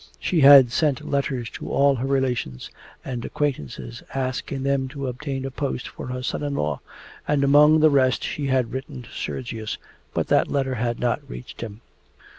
She had sent letters to all her relations and acquaintances asking them to obtain a post for her son in law, and among the rest she had written to Sergius, but that letter had not reached him.